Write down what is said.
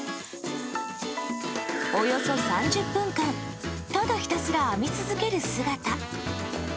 およそ３０分間ただひたすら編み続ける姿。